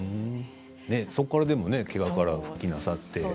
そこからけがから復帰なさって。